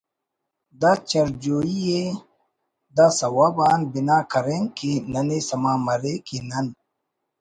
دا چرجوئی ءِ دا سوب آ ن بنا کرین کہ ننے سما مرے کہ نن